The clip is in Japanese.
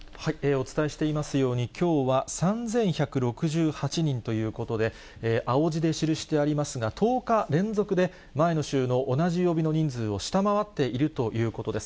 お伝えしていますように、きょうは３１６８人ということで、青字で記してありますが、１０日連続で前の週の同じ曜日の人数を下回っているということです。